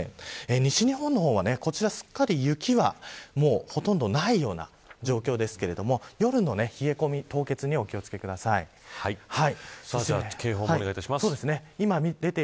西日本の方はこちら、すっかり雪はほとんどないような状況ですが夜の冷え込み凍結にお気を付けください。